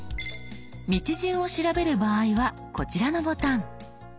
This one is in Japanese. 道順を調べる場合はこちらのボタン。